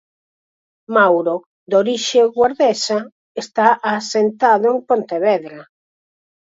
Mauro, de orixe guardesa, está asentado en Pontevedra.